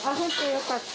よかった。